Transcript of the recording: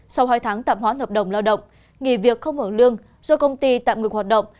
sau hai tháng tạm hoãn hợp đồng lao động nghỉ việc không hưởng lương do công ty tạm ngừng hoạt động